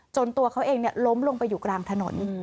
ตัวเขาเองล้มลงไปอยู่กลางถนน